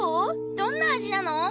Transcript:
どんな味なの？